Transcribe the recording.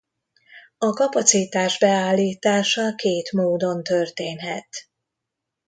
A kapacitás beállítása két módon történhet.